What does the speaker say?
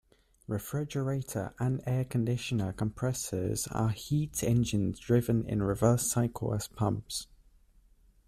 Refrigerator and air conditioner compressors are heat engines driven in reverse cycle as pumps.